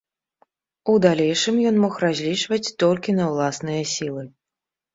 У далейшым ён мог разлічваць толькі на ўласныя сілы.